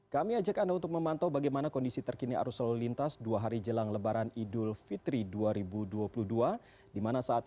kami ajak anda untuk memantau bagaimana kondisi terkini arus lalu lintas dua hari jelang lebaran idul fitri dua ribu dua puluh dua dimana saat